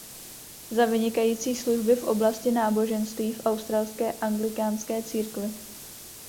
Za vynikající služby v oblasti náboženství v Australské anglikánské církvi.